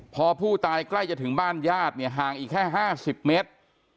พอผู้ตายใกล้จะถึงบ้านญาติเนี่ยห่างอีกแค่๕๐เมตร